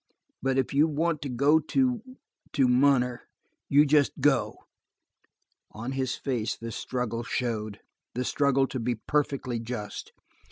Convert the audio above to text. But if you want to go to to Munner, you just go." On his face the struggle showed the struggle to be perfectly just.